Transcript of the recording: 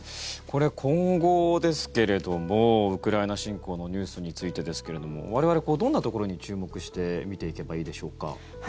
これ、今後ですけれどもウクライナ侵攻のニュースについてですけれども我々、どんなところに注目して見ていけばいいでしょうか。